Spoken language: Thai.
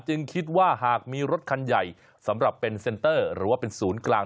คิดว่าหากมีรถคันใหญ่สำหรับเป็นเซ็นเตอร์หรือว่าเป็นศูนย์กลาง